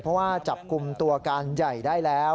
เพราะว่าจับกลุ่มตัวการใหญ่ได้แล้ว